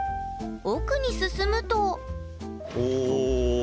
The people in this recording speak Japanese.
奥に進むとおお。